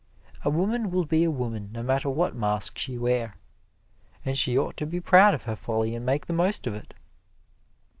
A woman will be a woman, no matter what mask she wear, and she ought to be proud of her folly and make the most of it.